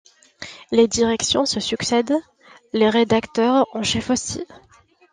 Les directions se succèdent, les rédacteurs en chef aussi.